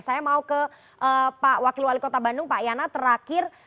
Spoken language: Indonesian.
saya mau ke pak wakil wali kota bandung pak yana terakhir